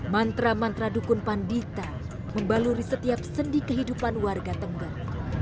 mantra mantra dukun pandita membaluri setiap sendi kehidupan warga tengger